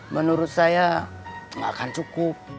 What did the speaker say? menurut saya tidak akan cukup